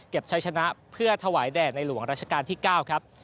ใช้ชนะเพื่อถวายแด่ในหลวงราชการที่๙ครับ